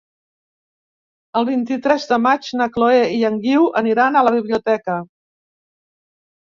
El vint-i-tres de maig na Chloé i en Guiu aniran a la biblioteca.